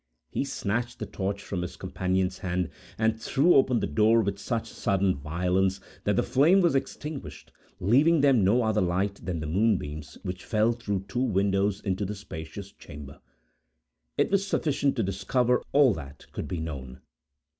He snatched the torch from his companion's hand, and threw open the door with such sudden violence, that the flame was extinguished, leaving them no other light than the moonbeams, which fell through two windows into the spacious chamber. It was sufficient to discover all that could be known.